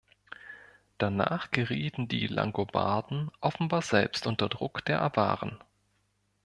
Danach gerieten die Langobarden offenbar selbst unter Druck der Awaren.